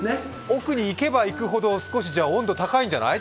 奥に行けば行くほど温度、高いんじゃない？